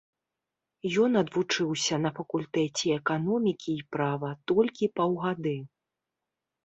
Ён адвучыўся на факультэце эканомікі і права толькі паўгады.